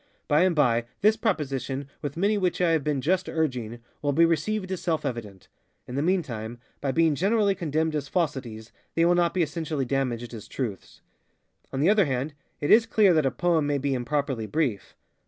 By and by, this proposition, with many which I have been just urging, will be received as self evident. In the meantime, by being generally condemned as falsities, they will not be essentially damaged as truths. On the other hand, it is clear that a poem may be improperly brief.